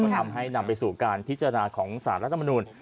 ทำให้นำไปสู่การพิจารณาของสารรัฐมนุน